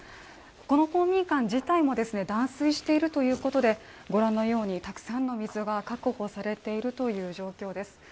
この公民館自体も断水しているということでご覧のようにたくさんの水が確保されているという状況です。